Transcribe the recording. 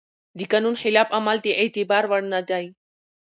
د قانون خلاف عمل د اعتبار وړ نه دی.